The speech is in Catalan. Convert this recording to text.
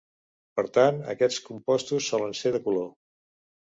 Per tant, aquests compostos solen ser de color.